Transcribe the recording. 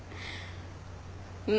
うん。